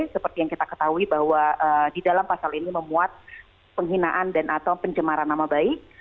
seperti yang kita ketahui bahwa di dalam pasal ini memuat penghinaan dan atau pencemaran nama baik